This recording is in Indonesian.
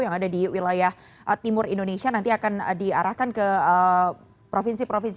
yang ada di wilayah timur indonesia nanti akan diarahkan ke provinsi provinsi